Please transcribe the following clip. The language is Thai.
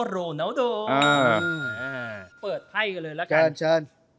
โรนาโดอ่าอ่าเปิดไพ่กันเลยแล้วกันเชิญ